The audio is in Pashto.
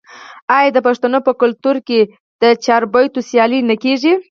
آیا د پښتنو په کلتور کې د چاربیتیو سیالي نه کیږي؟